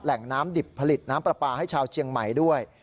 แหล่งน้ำดิบผลิตน้ำปลาปลาให้ชาวเชียงใหม่ด้วย